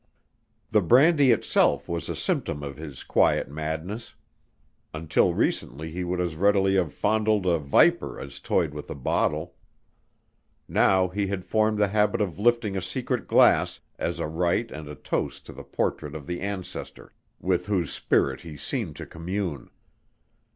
The brandy itself was a symptom of his quiet madness. Until recently he would as readily have fondled a viper as toyed with a bottle. Now he had formed the habit of lifting a secret glass, as a rite and a toast to the portrait of the ancestor, with whose spirit he seemed to commune.